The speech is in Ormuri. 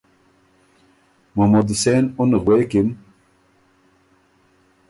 محمد حسېن اُن غوېکِن